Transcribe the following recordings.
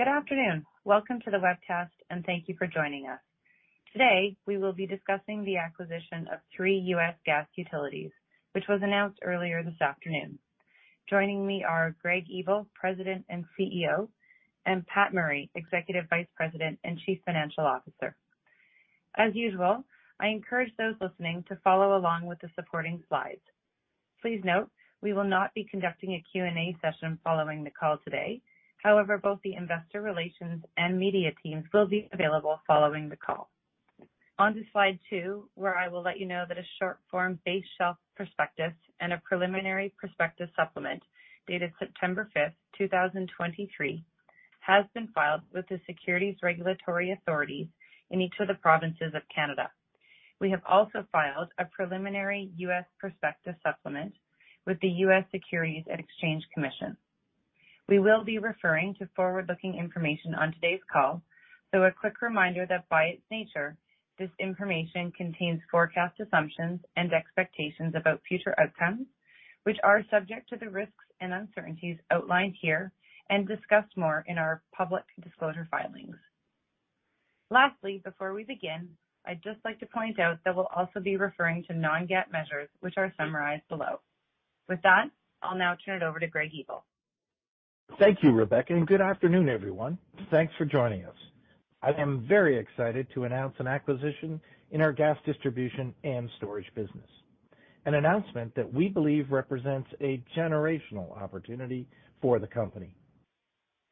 Good afternoon. Welcome to the webcast, and thank you for joining us. Today, we will be discussing the acquisition of three U.S. gas utilities, which was announced earlier this afternoon. Joining me are Greg Ebel, President and CEO, and Pat Murray, Executive Vice President and Chief Financial Officer. As usual, I encourage those listening to follow along with the supporting slides. Please note we will not be conducting a Q&A session following the call today. However, both the investor relations and media teams will be available following the call. On to slide two, where I will let you know that a short-form base shelf prospectus and a preliminary prospectus supplement, dated September 5th, 2023, has been filed with the securities regulatory authorities in each of the provinces of Canada. We have also filed a preliminary U.S. prospectus supplement with the U.S. Securities and Exchange Commission. We will be referring to forward-looking information on today's call, so a quick reminder that by its nature, this information contains forecast assumptions and expectations about future outcomes, which are subject to the risks and uncertainties outlined here and discussed more in our public disclosure filings. Lastly, before we begin, I'd just like to point out that we'll also be referring to non-GAAP measures, which are summarized below. With that, I'll now turn it over to Greg Ebel. Thank you, Rebecca, and good afternoon, everyone. Thanks for joining us. I am very excited to announce an acquisition in our gas distribution and storage business, an announcement that we believe represents a generational opportunity for the company.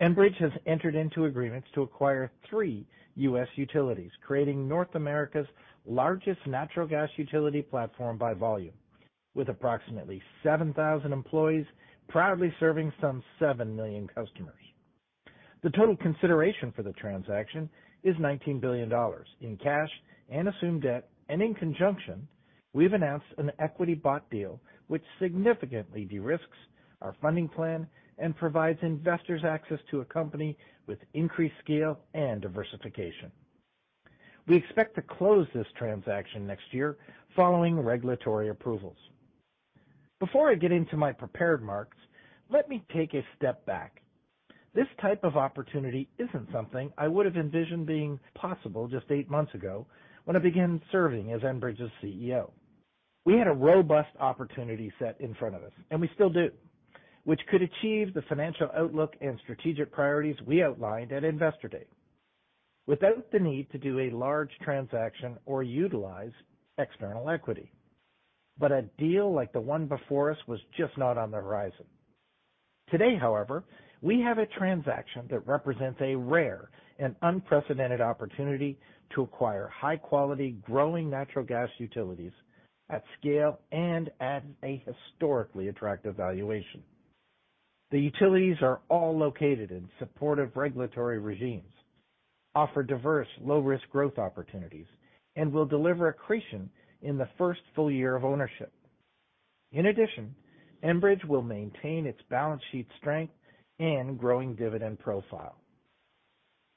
Enbridge has entered into agreements to acquire three U.S. utilities, creating North America's largest natural gas utility platform by volume, with approximately 7,000 employees, proudly serving some 7 million customers. The total consideration for the transaction is $19 billion in cash and assumed debt, and in conjunction, we've announced an equity-bought deal, which significantly de-risks our funding plan and provides investors access to a company with increased scale and diversification. We expect to close this transaction next year following regulatory approvals. Before I get into my prepared remarks, let me take a step back. This type of opportunity isn't something I would have envisioned being possible just eight months ago when I began serving as Enbridge's CEO. We had a robust opportunity set in front of us, and we still do, which could achieve the financial outlook and strategic priorities we outlined at Investor Day, without the need to do a large transaction or utilize external equity. But a deal like the one before us was just not on the horizon. Today, however, we have a transaction that represents a rare and unprecedented opportunity to acquire high-quality, growing natural gas utilities at scale and at a historically attractive valuation. The utilities are all located in supportive regulatory regimes, offer diverse, low-risk growth opportunities, and will deliver accretion in the first full year of ownership. In addition, Enbridge will maintain its balance sheet strength and growing dividend profile.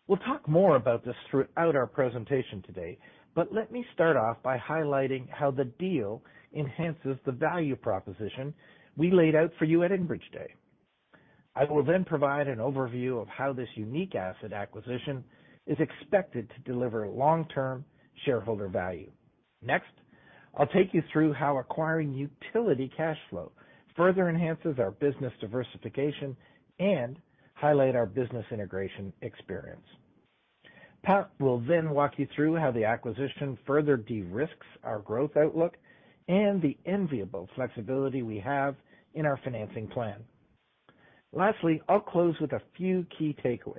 We'll talk more about this throughout our presentation today, but let me start off by highlighting how the deal enhances the value proposition we laid out for you at Enbridge Day. I will then provide an overview of how this unique asset acquisition is expected to deliver long-term shareholder value. Next, I'll take you through how acquiring utility cash flow further enhances our business diversification and highlight our business integration experience. Pat will then walk you through how the acquisition further de-risks our growth outlook and the enviable flexibility we have in our financing plan. Lastly, I'll close with a few key takeaways.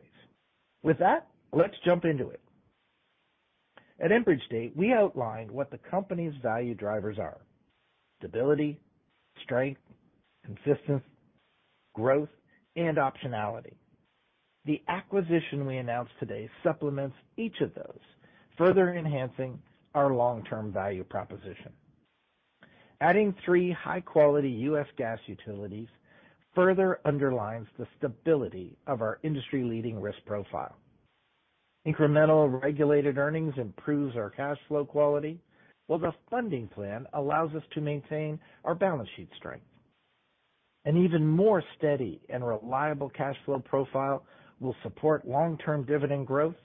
With that, let's jump into it. At Enbridge Day, we outlined what the company's value drivers are: Stability, strength, consistency, growth, and optionality. The acquisition we announced today supplements each of those, further enhancing our long-term value proposition. Adding three high-quality U.S. gas utilities further underlines the stability of our industry-leading risk profile. Incremental regulated earnings improves our cash flow quality, while the funding plan allows us to maintain our balance sheet strength. An even more steady and reliable cash flow profile will support long-term dividend growth,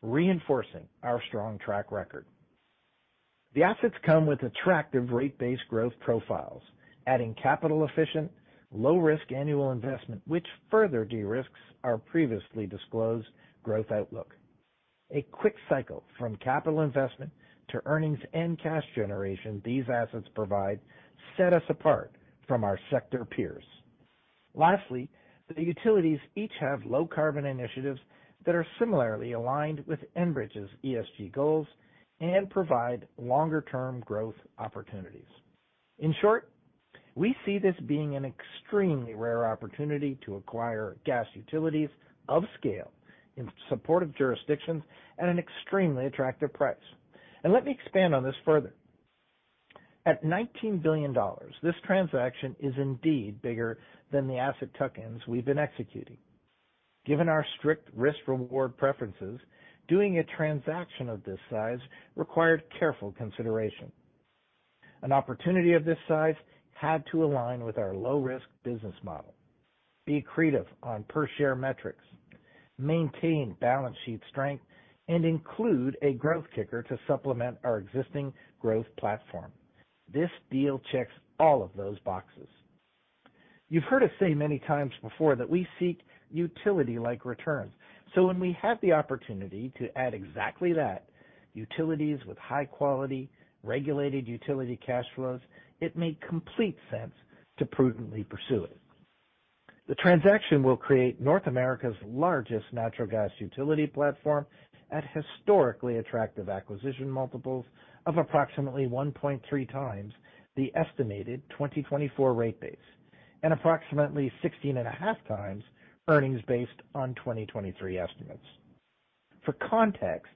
reinforcing our strong track record. The assets come with attractive rate-based growth profiles, adding capital-efficient, low-risk annual investment, which further de-risks our previously disclosed growth outlook. A quick cycle from capital investment to earnings and cash generation these assets provide set us apart from our sector peers. Lastly, the utilities each have low-carbon initiatives that are similarly aligned with Enbridge's ESG goals and provide longer-term growth opportunities. In short, we see this being an extremely rare opportunity to acquire gas utilities of scale in supportive jurisdictions at an extremely attractive price. Let me expand on this further. At $19 billion, this transaction is indeed bigger than the asset tuck-ins we've been executing. Given our strict risk-reward preferences, doing a transaction of this size required careful consideration. An opportunity of this size had to align with our low-risk business model, be accretive on per-share metrics, maintain balance sheet strength, and include a growth kicker to supplement our existing growth platform. This deal checks all of those boxes. You've heard us say many times before that we seek utility-like returns. So when we have the opportunity to add exactly that, utilities with high-quality, regulated utility cash flows, it made complete sense to prudently pursue it. The transaction will create North America's largest natural gas utility platform at historically attractive acquisition multiples of approximately 1.3x the estimated 2024 rate base, and approximately 16.5x earnings based on 2023 estimates. For context,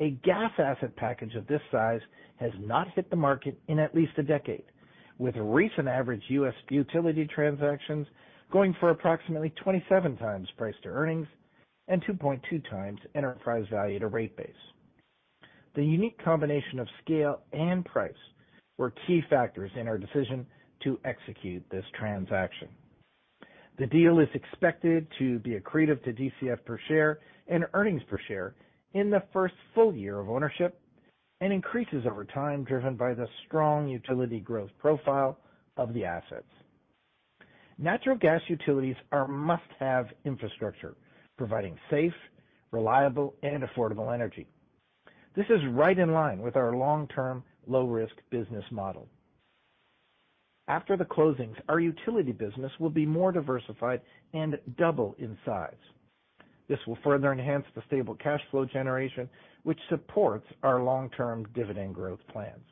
a gas asset package of this size has not hit the market in at least a decade, with recent average U.S. utility transactions going for approximately 27x price-to-earnings and 2.2x enterprise value-to-rate base. The unique combination of scale and price were key factors in our decision to execute this transaction. The deal is expected to be accretive to DCF per share and earnings per share in the first full year of ownership, and increases over time, driven by the strong utility growth profile of the assets. Natural gas utilities are a must-have infrastructure, providing safe, reliable, and affordable energy. This is right in line with our long-term, low-risk business model. After the closings, our utility business will be more diversified and double in size. This will further enhance the stable cash flow generation, which supports our long-term dividend growth plans.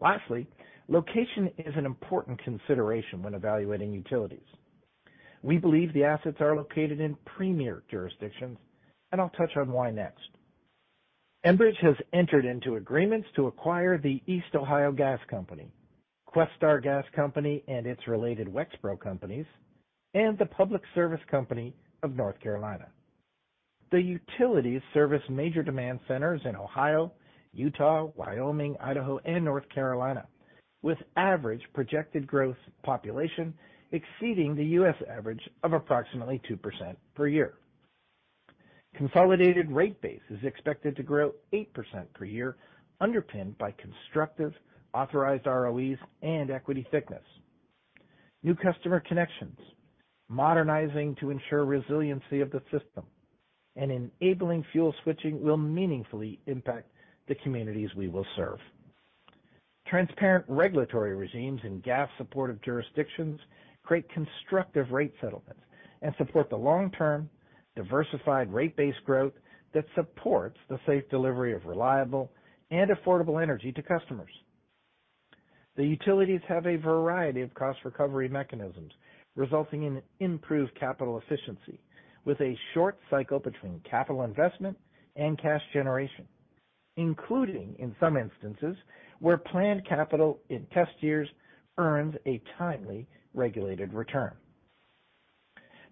Lastly, location is an important consideration when evaluating utilities. We believe the assets are located in premier jurisdictions, and I'll touch on why next. Enbridge has entered into agreements to acquire The East Ohio Gas Company, Questar Gas Company and its related Wexpro companies, and the Public Service Company of North Carolina. The utilities service major demand centers in Ohio, Utah, Wyoming, Idaho, and North Carolina, with average projected growth population exceeding the U.S. average of approximately 2% per year. Consolidated rate base is expected to grow 8% per year, underpinned by constructive authorized ROEs and equity thickness. New customer connections, modernizing to ensure resiliency of the system, and enabling fuel switching will meaningfully impact the communities we will serve. Transparent regulatory regimes in gas-supportive jurisdictions create constructive rate settlements and support the long-term, diversified rate base growth that supports the safe delivery of reliable and affordable energy to customers. The utilities have a variety of cost recovery mechanisms, resulting in improved capital efficiency, with a short cycle between capital investment and cash generation, including, in some instances, where planned capital in test years earns a timely, regulated return.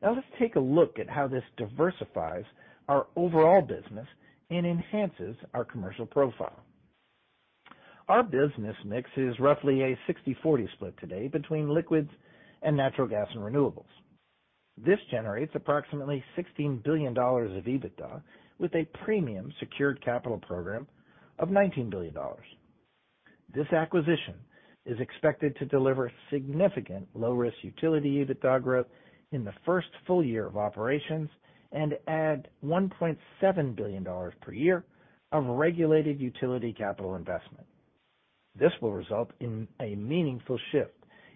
Now, let's take a look at how this diversifies our overall business and enhances our commercial profile. Our business mix is roughly a 60/40 split today between liquids and natural gas and renewables. This generates approximately $16 billion of EBITDA, with a premium secured capital program of $19 billion. This acquisition is expected to deliver significant low-risk utility EBITDA growth in the first full year of operations and add $1.7 billion per year of regulated utility capital investment. This will result in a meaningful shift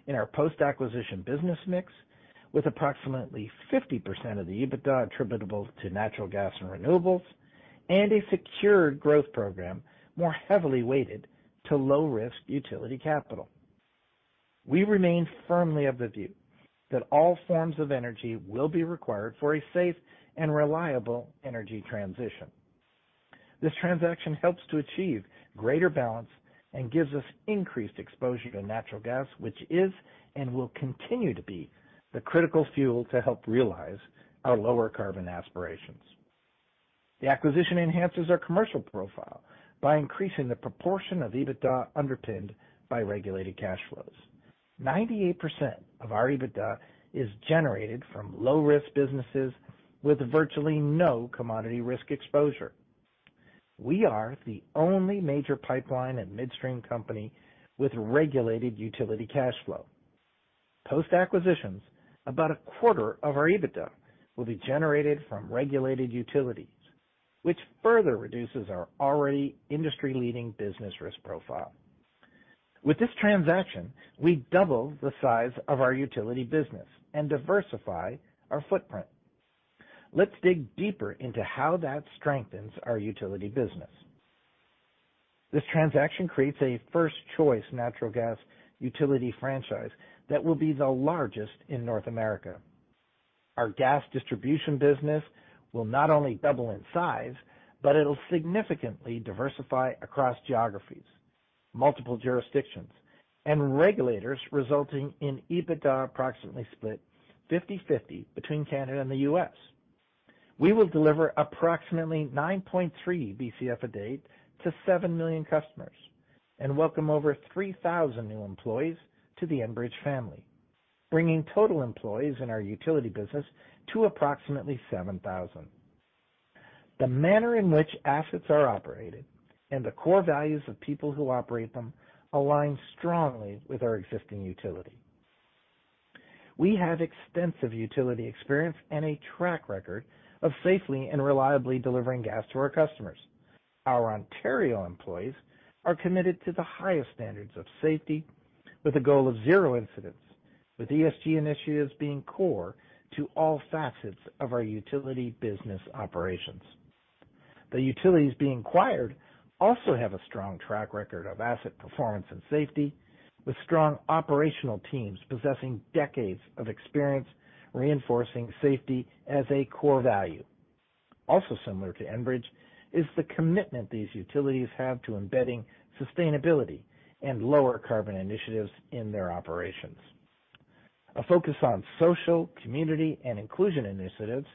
in our post-acquisition business mix, with approximately 50% of the EBITDA attributable to natural gas and renewables, and a secured growth program more heavily weighted to low-risk utility capital. We remain firmly of the view that all forms of energy will be required for a safe and reliable energy transition. This transaction helps to achieve greater balance and gives us increased exposure to natural gas, which is and will continue to be the critical fuel to help realize our lower carbon aspirations. The acquisition enhances our commercial profile by increasing the proportion of EBITDA underpinned by regulated cash flows. 98% of our EBITDA is generated from low-risk businesses with virtually no commodity risk exposure. We are the only major pipeline and midstream company with regulated utility cash flow. Post-acquisitions, about a quarter of our EBITDA will be generated from regulated utilities, which further reduces our already industry-leading business risk profile. With this transaction, we double the size of our utility business and diversify our footprint. Let's dig deeper into how that strengthens our utility business. This transaction creates a first-choice natural gas utility franchise that will be the largest in North America. Our gas distribution business will not only double in size, but it'll significantly diversify across geographies, multiple jurisdictions, and regulators, resulting in EBITDA approximately split 50/50 between Canada and the U.S. We will deliver approximately 9.3 Bcf a day to 7 million customers and welcome over 3,000 new employees to the Enbridge family, bringing total employees in our utility business to approximately 7,000. The manner in which assets are operated and the core values of people who operate them align strongly with our existing utility. We have extensive utility experience and a track record of safely and reliably delivering gas to our customers. Our Ontario employees are committed to the highest standards of safety, with a goal of zero incidents, with ESG initiatives being core to all facets of our utility business operations. The utilities being acquired also have a strong track record of asset performance and safety, with strong operational teams possessing decades of experience reinforcing safety as a core value. Also similar to Enbridge is the commitment these utilities have to embedding sustainability and lower carbon initiatives in their operations. A focus on social, community, and inclusion initiatives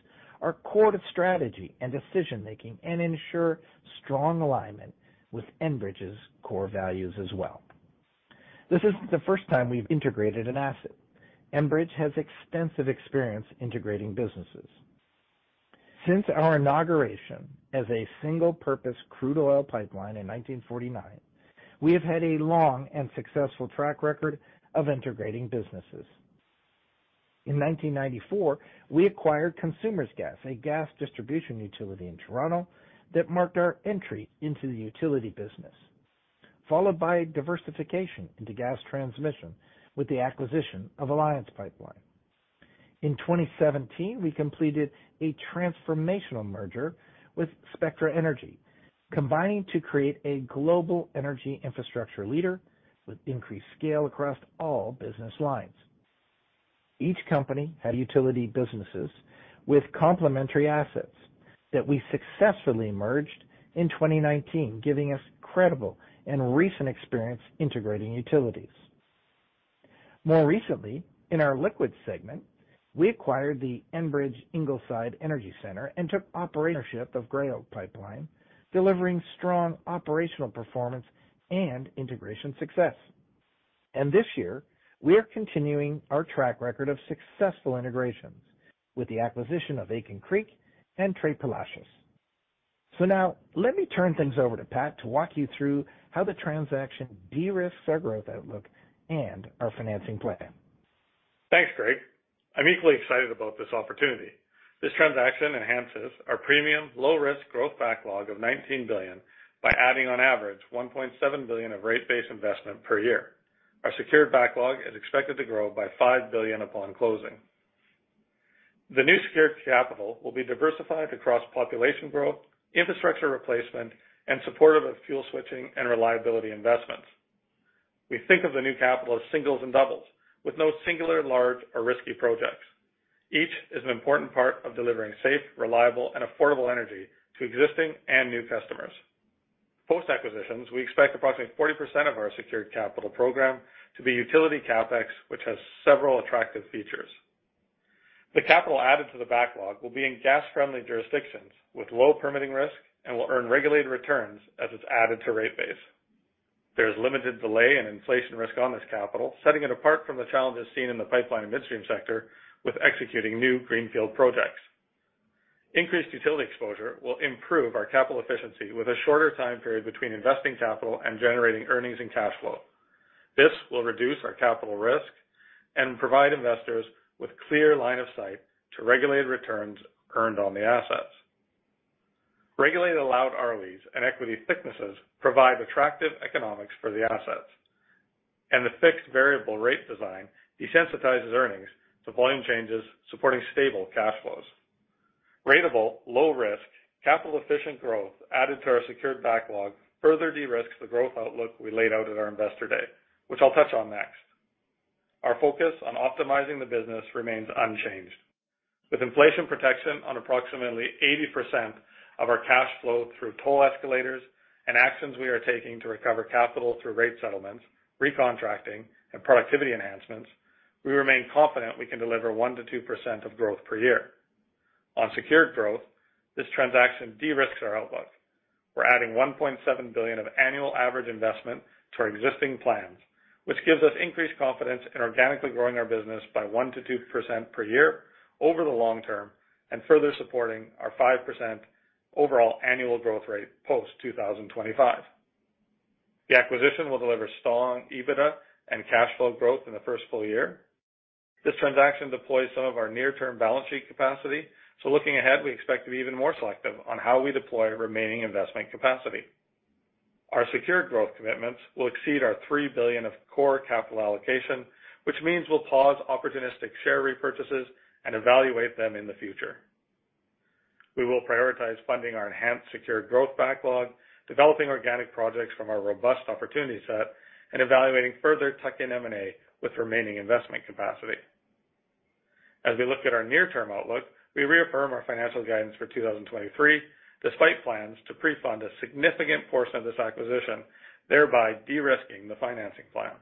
are core to strategy and decision-making and ensure strong alignment with Enbridge's core values as well. This isn't the first time we've integrated an asset. Enbridge has extensive experience integrating businesses. Since our inauguration as a single-purpose crude oil pipeline in 1949, we have had a long and successful track record of integrating businesses. In 1994, we acquired Consumers' Gas, a gas distribution utility in Toronto that marked our entry into the utility business, followed by diversification into gas transmission with the acquisition of Alliance Pipeline. In 2017, we completed a transformational merger with Spectra Energy, combining to create a global energy infrastructure leader with increased scale across all business lines. Each company had utility businesses with complementary assets that we successfully merged in 2019, giving us incredible and recent experience integrating utilities. More recently, in our Liquids segment, we acquired the Enbridge Ingleside Energy Center and took ownership of Gray Oak Pipeline, delivering strong operational performance and integration success. This year, we are continuing our track record of successful integrations with the acquisition of Aitken Creek and Tres Palacios. Now let me turn things over to Pat to walk you through how the transaction de-risks our growth outlook and our financing plan. Thanks, Greg. I'm equally excited about this opportunity. This transaction enhances our premium, low-risk growth backlog of $19 billion by adding, on average, $1.7 billion of rate base investment per year. Our secured backlog is expected to grow by $5 billion upon closing. The new secured capital will be diversified across population growth, infrastructure replacement, and supportive of fuel switching and reliability investments. We think of the new capital as singles and doubles, with no singular, large, or risky projects. Each is an important part of delivering safe, reliable, and affordable energy to existing and new customers. Post-acquisitions, we expect approximately 40% of our secured capital program to be utility CapEx, which has several attractive features. The capital added to the backlog will be in gas-friendly jurisdictions with low permitting risk and will earn regulated returns as it's added to rate base. There is limited delay and inflation risk on this capital, setting it apart from the challenges seen in the pipeline and midstream sector with executing new greenfield projects. Increased utility exposure will improve our capital efficiency with a shorter time period between investing capital and generating earnings and cash flow. This will reduce our capital risk and provide investors with clear line of sight to regulated returns earned on the assets. Regulated allowed ROEs and equity thicknesses provide attractive economics for the assets, and the fixed-variable rate design desensitizes earnings to volume changes, supporting stable cash flows. Ratable, low-risk, capital-efficient growth added to our secured backlog further de-risks the growth outlook we laid out at our Investor Day, which I'll touch on next. Our focus on optimizing the business remains unchanged. With inflation protection on approximately 80% of our cash flow through toll escalators and actions we are taking to recover capital through rate settlements, recontracting, and productivity enhancements, we remain confident we can deliver 1%-2% of growth per year. On secured growth, this transaction de-risks our outlook. We're adding $1.7 billion of annual average investment to our existing plans, which gives us increased confidence in organically growing our business by 1%-2% per year over the long term and further supporting our 5% overall annual growth rate post-2025. The acquisition will deliver strong EBITDA and cash flow growth in the first full year. This transaction deploys some of our near-term balance sheet capacity, so looking ahead, we expect to be even more selective on how we deploy remaining investment capacity. Our secured growth commitments will exceed our $3 billion of core capital allocation, which means we'll pause opportunistic share repurchases and evaluate them in the future. We will prioritize funding our enhanced secured growth backlog, developing organic projects from our robust opportunity set, and evaluating further tuck-in M&A with remaining investment capacity. As we look at our near-term outlook, we reaffirm our financial guidance for 2023, despite plans to pre-fund a significant portion of this acquisition, thereby de-risking the financing plan.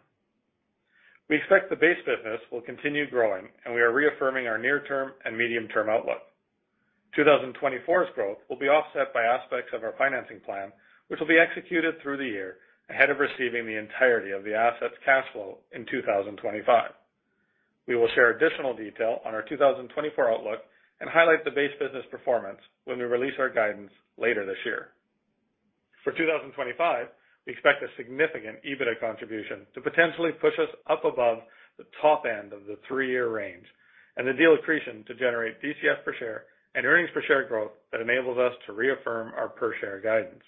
We expect the base business will continue growing, and we are reaffirming our near-term and medium-term outlook. 2024's growth will be offset by aspects of our financing plan, which will be executed through the year ahead of receiving the entirety of the assets' cash flow in 2025. We will share additional detail on our 2024 outlook and highlight the base business performance when we release our guidance later this year. For 2025, we expect a significant EBITDA contribution to potentially push us up above the top end of the three-year range, and the deal accretion to generate DCF per share and earnings per share growth that enables us to reaffirm our per-share guidance.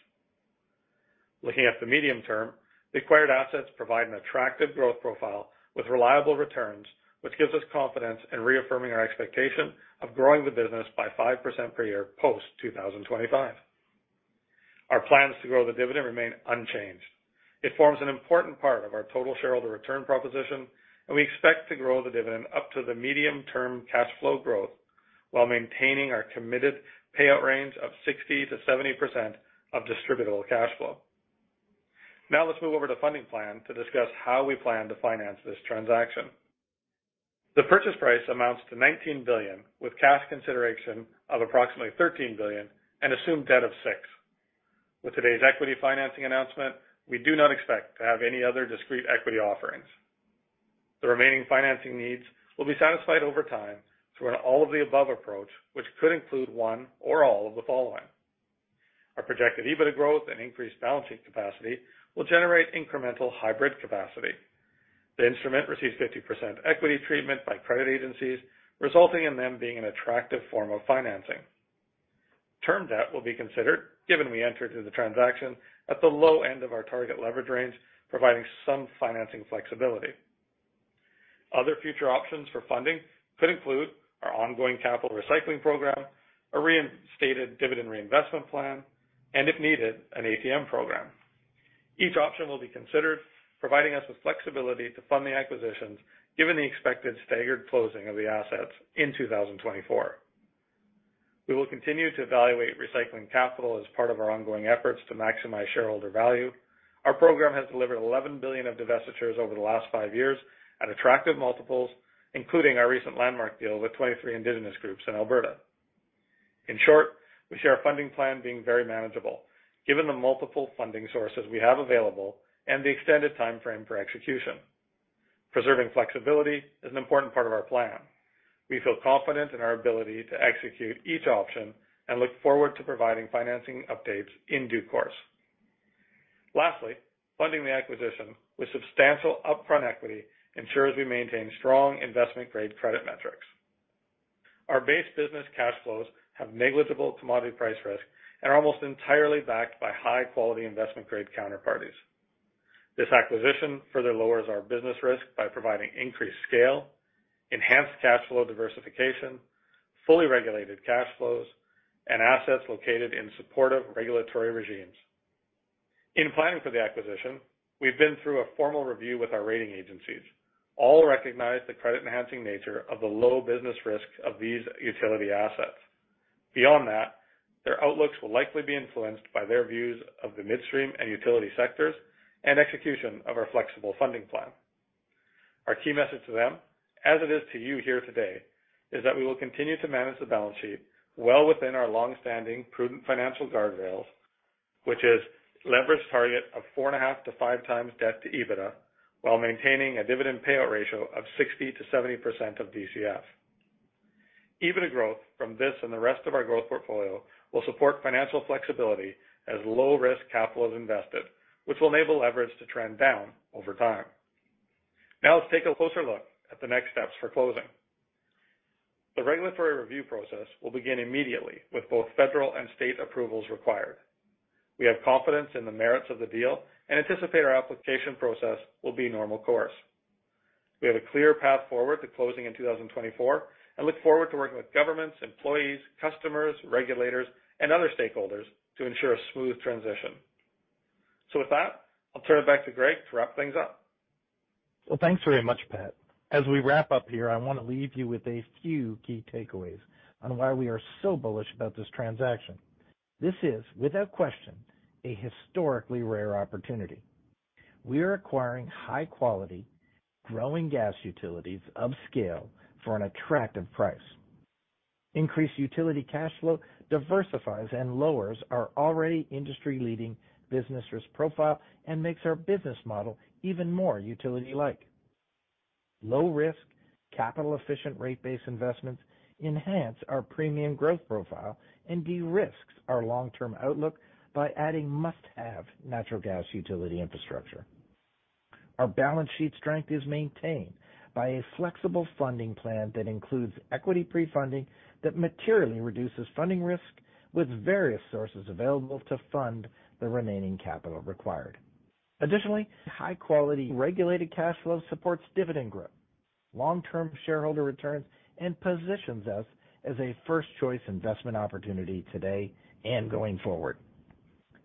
Looking at the medium term, the acquired assets provide an attractive growth profile with reliable returns, which gives us confidence in reaffirming our expectation of growing the business by 5% per year post 2025. Our plans to grow the dividend remain unchanged. It forms an important part of our total shareholder return proposition, and we expect to grow the dividend up to the medium-term cash flow growth, while maintaining our committed payout range of 60%-70% of distributable cash flow. Now let's move over to funding plan to discuss how we plan to finance this transaction. The purchase price amounts to $19 billion, with cash consideration of approximately $13 billion and assumed debt of $6 billion. With today's equity financing announcement, we do not expect to have any other discrete equity offerings. The remaining financing needs will be satisfied over time through an all-of-the-above approach, which could include one or all of the following: Our projected EBITDA growth and increased balancing capacity will generate incremental hybrid capacity. The instrument receives 50% equity treatment by credit agencies, resulting in them being an attractive form of financing. Term debt will be considered, given we enter into the transaction at the low end of our target leverage range, providing some financing flexibility. Other future options for funding could include our ongoing capital recycling program, a reinstated dividend reinvestment plan, and if needed, an ATM program. Each option will be considered, providing us with flexibility to fund the acquisitions, given the expected staggered closing of the assets in 2024. We will continue to evaluate recycling capital as part of our ongoing efforts to maximize shareholder value. Our program has delivered $11 billion of divestitures over the last five years at attractive multiples, including our recent landmark deal with 23 indigenous groups in Alberta. In short, we see our funding plan being very manageable, given the multiple funding sources we have available and the extended timeframe for execution. Preserving flexibility is an important part of our plan. We feel confident in our ability to execute each option and look forward to providing financing updates in due course. Lastly, funding the acquisition with substantial upfront equity ensures we maintain strong investment-grade credit metrics. Our base business cash flows have negligible commodity price risk and are almost entirely backed by high-quality investment-grade counterparties. This acquisition further lowers our business risk by providing increased scale, enhanced cash flow diversification, fully regulated cash flows, and assets located in supportive regulatory regimes. In planning for the acquisition, we've been through a formal review with our rating agencies. All recognize the credit-enhancing nature of the low business risk of these utility assets. Beyond that, their outlooks will likely be influenced by their views of the midstream and utility sectors and execution of our flexible funding plan. Our key message to them, as it is to you here today, is that we will continue to manage the balance sheet well within our long-standing prudent financial guardrails, which is leverage target of 4.5x-5x debt to EBITDA, while maintaining a dividend payout ratio of 60%-70% of DCF. EBITDA growth from this and the rest of our growth portfolio will support financial flexibility as low-risk capital is invested, which will enable leverage to trend down over time. Now, let's take a closer look at the next steps for closing. The regulatory review process will begin immediately, with both federal and state approvals required. We have confidence in the merits of the deal and anticipate our application process will be normal course. We have a clear path forward to closing in 2024 and look forward to working with governments, employees, customers, regulators, and other stakeholders to ensure a smooth transition. With that, I'll turn it back to Greg to wrap things up. Well, thanks very much, Pat. As we wrap up here, I wanna leave you with a few key takeaways on why we are so bullish about this transaction. This is, without question, a historically rare opportunity. We are acquiring high-quality, growing gas utilities of scale for an attractive price. Increased utility cash flow diversifies and lowers our already industry-leading business risk profile and makes our business model even more utility-like. Low-risk, capital-efficient rate-based investments enhance our premium growth profile and de-risks our long-term outlook by adding must-have natural gas utility infrastructure. Our balance sheet strength is maintained by a flexible funding plan that includes equity pre-funding that materially reduces funding risk, with various sources available to fund the remaining capital required. Additionally, high-quality regulated cash flow supports dividend growth, long-term shareholder returns, and positions us as a first-choice investment opportunity today and going forward.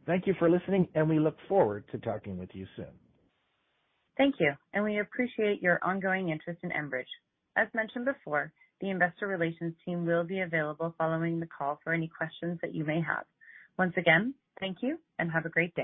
Thank you for listening, and we look forward to talking with you soon. Thank you, and we appreciate your ongoing interest in Enbridge. As mentioned before, the investor relations team will be available following the call for any questions that you may have. Once again, thank you, and have a great day.